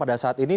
pada saat ini